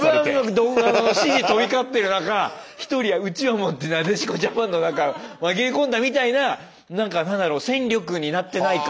怒号の指示飛び交ってる中一人うちわ持ってなでしこジャパンの中紛れ込んだみたいな何か何だろう戦力になってない感。